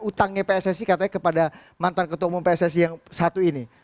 utangnya pssi katanya kepada mantan ketua umum pssi yang satu ini